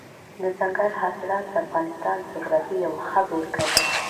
دځنګل حاصلات د افغانستان د جغرافیې یوه ښه بېلګه ده.